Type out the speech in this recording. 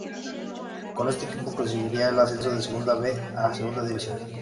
Con este equipo conseguiría el ascenso de Segunda B a Segunda División.